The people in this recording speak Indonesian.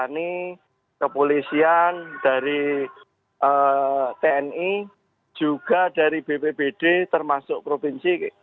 ini kepolisian dari tni juga dari bpbd termasuk provinsi